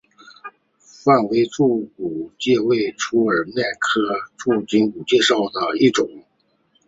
范睢肋骨介为粗面介科肋骨介属下的一个种。